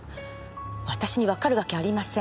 私にわかるわけがありません。